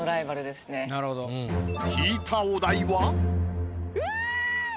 引いたお題は？うわ！